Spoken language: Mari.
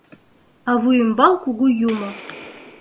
А Вуйӱмбал Кугу Юмо.